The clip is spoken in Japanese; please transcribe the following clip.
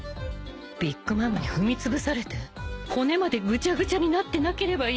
ビッグ・マムに踏みつぶされて骨までぐちゃぐちゃになってなければいいけど。